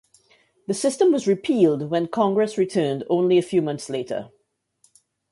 The system was repealed when Congress returned only a few months later.